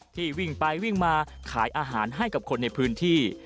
วิ่งไปวิ่งมาขายอาหารให้กับคนในพื้นที่